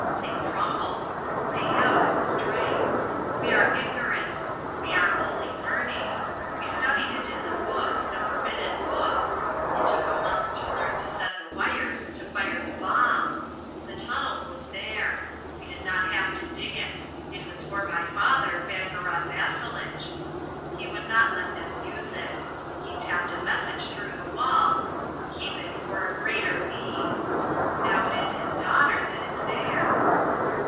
They crumble. They have no strength. We are ignorant. We are only learning. We studied it in the books, the forbidden books. It took a month to learn to set the wires to fire the bomb. The tunnel was there. We did not have to dig it. It was for my father, Vangorod Vasselitch. He would not let them use it. He tapped a message through the wall, 'Keep it for a greater need.' Now it is his daughter that is there."